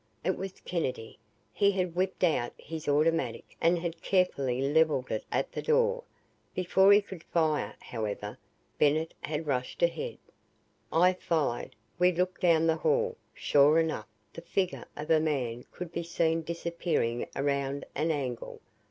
It was Kennedy. He had whipped out his automatic and had carefully leveled it at the door. Before he could fire, however, Bennett had rushed ahead. I followed. We looked down the hall. Sure enough, the figure of a man could be seen disappearing around an angle.